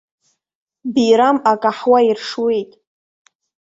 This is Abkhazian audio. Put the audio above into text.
Бирам акаҳуа иршуеит.